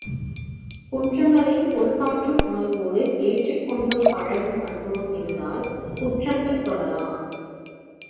குற்றங்களைப் பொறுத்தாற்றும் உணர்வோடு ஏற்றுக் கொண்டு பழகும் அனுபவம் இருந்தால் குற்றங்கள் தொடரா.